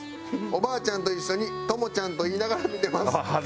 おばあちゃんと一緒に“朋ちゃん”と言いながら見てます」